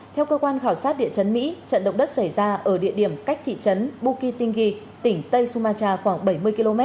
theo cơ quan khảo sát địa chấn mỹ trận động đất xảy ra ở địa điểm cách thị chấn bukit tinggi tỉnh tây sumatra khoảng bảy mươi km